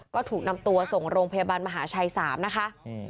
ก็ถูกนำตัวส่งโรงพยาบาลมหาชัย๓นะคะ